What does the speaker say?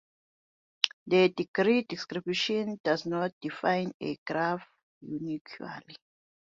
The degree distribution does not define a graph uniquely.